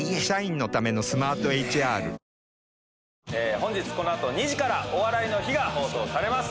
本日このあと２時から「お笑いの日」が放送されます。